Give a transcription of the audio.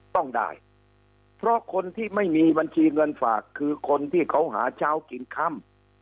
ต้องได้เพราะคนที่ไม่มีบัญชีเงินฝากคือคนที่เขาหาเช้ากินค่ำ